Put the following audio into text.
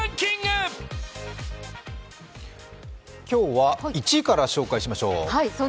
今日は１位から紹介しましょう。